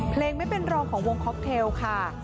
เพลงไม่เป็นรองของวงค็อกเทลค่ะ